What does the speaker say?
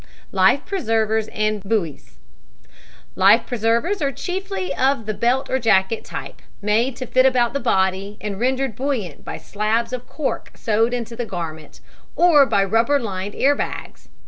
LIFE PRESERVERS AND BUOYS Life preservers are chiefly of the belt or jacket type, made to fit about the body and rendered buoyant by slabs of cork sewed into the garment, or by rubber lined air bags.